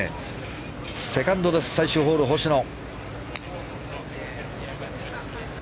セカンドです最終ホール、星野。